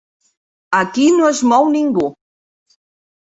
Aquí no es mou ningú.